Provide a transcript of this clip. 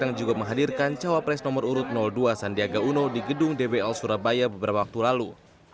yang juga menghadirkan cawapres nomor urut dua sandiaga uno di gedung dbl surabaya beberapa waktu lalu